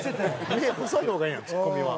目細い方がええんやツッコミは。